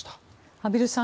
畔蒜さん